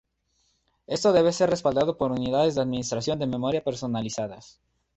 Esto debe ser respaldado por unidades de administración de memoria personalizadas.